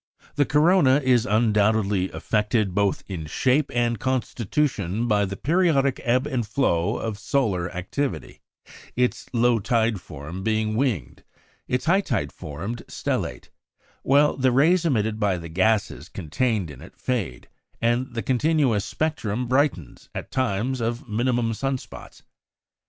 The corona is undoubtedly affected both in shape and constitution by the periodic ebb and flow of solar activity, its low tide form being winged, its high tide form stellate; while the rays emitted by the gases contained in it fade, and the continuous spectrum brightens, at times of minimum sun spots.